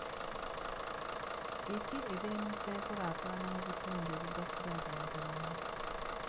Biki ebiremesa enkulaakulana mu bintu ebigasiriza abantu awamu?